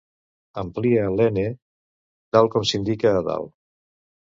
Amplia l'"N" tal com s'indica a dalt.